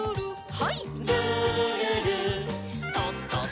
はい。